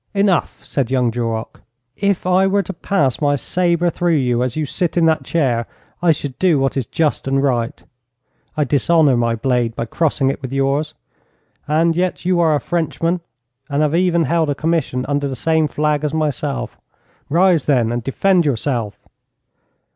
'Enough,' said young Duroc. 'If I were to pass my sabre through you as you sit in that chair, I should do what is just and right. I dishonour my blade by crossing it with yours. And yet you are a Frenchman, and have even held a commission under the same flag as myself. Rise, then, and defend yourself!'